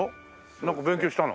なんか勉強したの？